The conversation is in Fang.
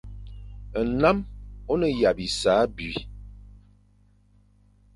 Nnam o ne ya bisa abi.